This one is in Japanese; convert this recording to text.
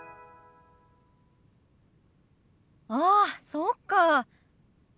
ああそうか。